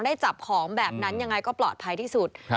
จับของแบบนั้นยังไงก็ปลอดภัยที่สุด